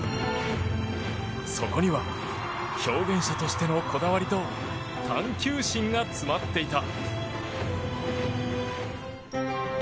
そこには、表現者としてのこだわりと探求心が詰まっていた。